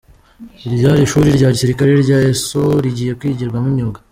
Iryari ishuri rya gisirikare rya Eso rigiye kwigirwamo imyuga